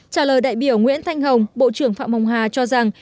trả lời đại biểu nguyễn thanh hồng bộ trưởng phạm hồng hà cho rằng